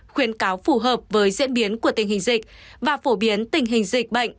khuyến cáo phù hợp với diễn biến của tình hình dịch và phổ biến tình hình dịch bệnh